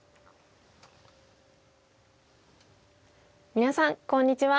皆さんこんにちは。